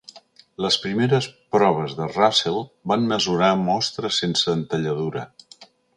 Les primeres proves de Russell van mesurar mostres sense entalladura.